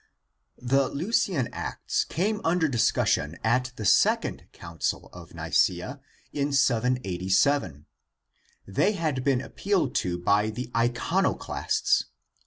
The Leucian Acts came under discussion at the Second Council of Nicaea, in 787. They had been appealed to by the Iconoclasts.